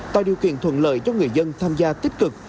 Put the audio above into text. tạo điều kiện thuận lợi cho người dân tham gia tích cực